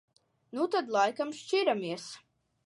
Nu tad laikam šķiramies.